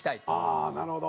ああなるほど！